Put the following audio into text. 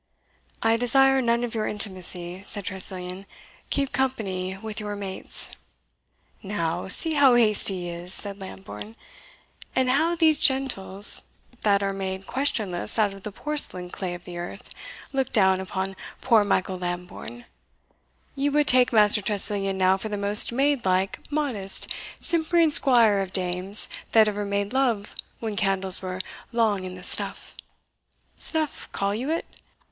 "I desire none of your intimacy," said Tressilian "keep company with your mates." "Now, see how hasty he is!" said Lambourne; "and how these gentles, that are made questionless out of the porcelain clay of the earth, look down upon poor Michael Lambourne! You would take Master Tressilian now for the most maid like, modest, simpering squire of dames that ever made love when candles were long i' the stuff snuff; call you it?